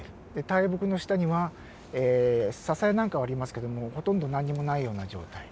大木の下にはササや何かはありますけどもほとんど何にもないような状態。